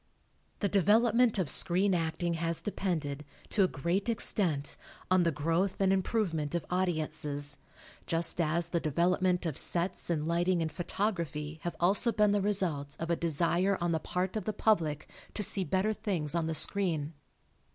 The development of screen acting has depended, to a great extent, on the growth and improvement of audi ences, just as the development of sets and lighting and photography have also been the result of a desire on the part of the public to see better things on the screen.